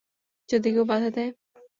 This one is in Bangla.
যদি কেউ বাদা দেয়।